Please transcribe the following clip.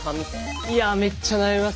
いやめっちゃ悩みますね。